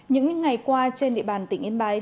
những ngày qua trên địa bàn tỉnh yên bái